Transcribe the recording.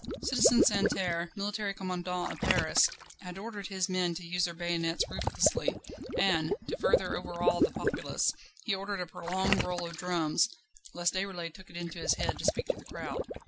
Citizen Santerre, military commandant of Paris, had ordered his men to use their bayonets ruthlessly, and, to further overawe the populace, he ordered a prolonged roll of drums, lest Déroulède took it into his head to speak to the crowd.